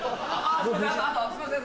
あすいません